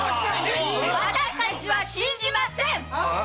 私たちは信じません！